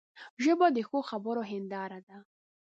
ژبه د ښو خبرو هنداره ده